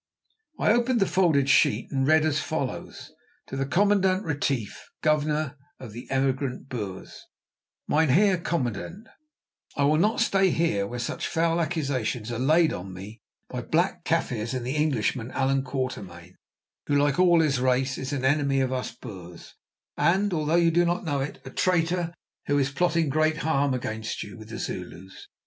I opened the folded sheet and read as follows: "To the Commandant Retief, Governor of the Emigrant Boers, "Mynheer Commandant, "I will not stay here, where such foul accusations are laid on me by black Kaffirs and the Englishman, Allan Quatermain, who, like all his race, is an enemy of us Boers, and, although you do not know it, a traitor who is plotting great harm against you with the Zulus.